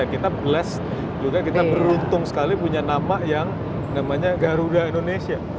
kita bless juga kita beruntung sekali punya nama yang namanya garuda indonesia